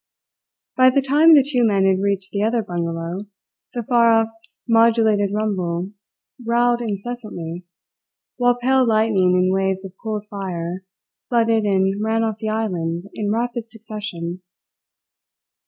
By the time the two men had reached the other bungalow, the far off modulated rumble growled incessantly, while pale lightning in waves of cold fire flooded and ran off the island in rapid succession.